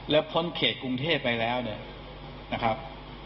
แล้วพ้นเขตกรุงเทพไปแล้วเนี่ยนะครับ